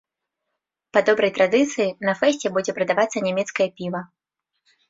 Па добрай традыцыі, на фэсце будзе прадавацца нямецкае піва.